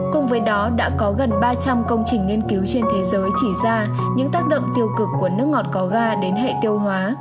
cùng với đó đã có gần ba trăm linh công trình nghiên cứu trên thế giới chỉ ra những tác động tiêu cực của nước ngọt có ga đến hệ tiêu hóa